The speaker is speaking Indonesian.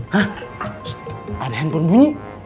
hah ada handphone bunyi